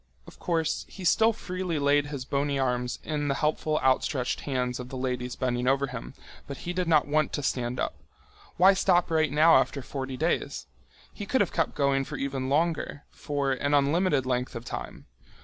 Of course, he still freely laid his bony arms in the helpful outstretched hands of the ladies bending over him, but he did not want to stand up. Why stop right now after forty days? He could have kept going for even longer, for an unlimited length of time.